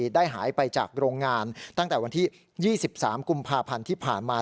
ได้หายไปจากโรงงานตั้งแต่วันที่๒๓กุมภาพันธ์ที่ผ่านมา